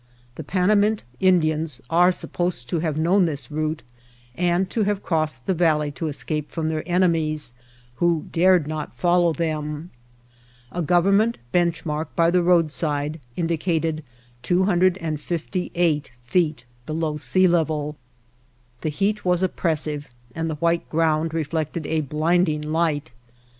The Panamint Indians are supposed to have known this route and to have crossed the valley to escape from their enemies, who dared not follow them. A Government bench mark by the roadside ["4] Strangest Farm in the World indicated 258 feet below sea level. The heat was oppressive, and the white ground reflected a blinding light.